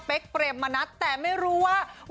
เป๊กเปลี่ยนมานัดแต่ไม่รู้ว่า